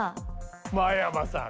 真山さん